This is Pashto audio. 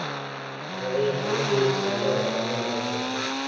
د نغري شوندې ساړه اهونه باسي